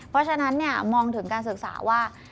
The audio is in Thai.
เพราะฉะนั้นมองถึงการศึกษาว่า